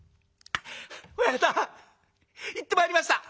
「親方行ってまいりました」。